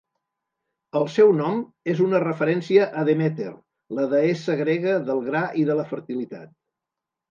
El seu nom és una referència a Demeter, la deessa grega del gra i de la fertilitat.